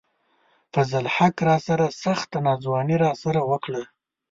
فضل الحق راسره سخته ناځواني راسره وڪړه